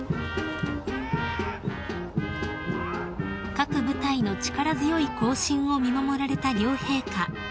［各部隊の力強い行進を見守られた両陛下］